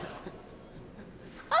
あ！